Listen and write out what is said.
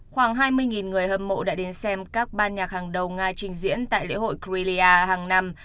khoảng hai mươi người hâm mộ đã đến xem các ban nhạc hàng đầu nga trình diễn tại lễ hội crilia hàng năm